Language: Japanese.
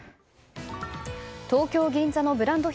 東京・銀座のブランド品